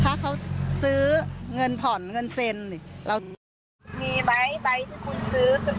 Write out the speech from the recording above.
ถ้าเขาซื้อเงินผ่อนเงินเซ็นเรามีไหมใบที่คุณซื้อ